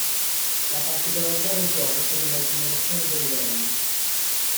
La particolarità del gioco sta nella generazione dei livelli.